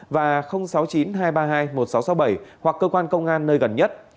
và sáu mươi chín hai trăm ba mươi hai một nghìn sáu trăm sáu mươi bảy hoặc cơ quan công an nơi gần nhất